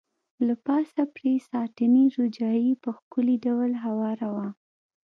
له پاسه پرې ساټني روجايي په ښکلي ډول هواره وه.